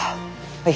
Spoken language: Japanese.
はい。